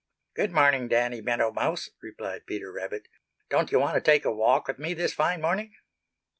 "Good morning, Danny Meadow Mouse," replied Peter Rabbit. "Don't you want to take a walk with me this fine morning?"